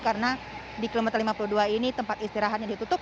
karena di kilometer lima puluh dua ini tempat istirahatnya ditutup